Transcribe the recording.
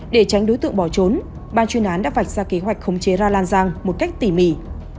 để tránh đối tượng bỏ trốn ban chuyên án đã vạch ra kế hoạch khống chế ra lan giang một cách tỉ mỉ